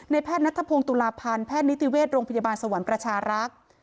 แพทย์นัทพงศ์ตุลาพันธ์แพทย์นิติเวชโรงพยาบาลสวรรค์ประชารักษ์